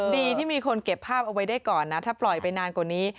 ดีที่มีคนเก็บภาพเอาไว้ได้ก่อนนะถ้าปล่อยไปนานกว่านี้